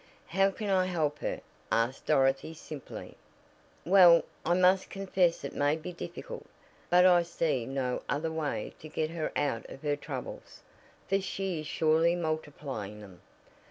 "How can I help her?" asked Dorothy simply. "Well, I must confess it may be difficult, but I see no other way to get her out of her troubles, for she is surely multiplying them.